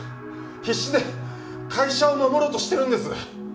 必死で会社を守ろうとしてるんです。